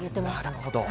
なるほど。